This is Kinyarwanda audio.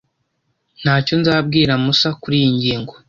Ntacyo nzabwira Musa kuriyi ngingo.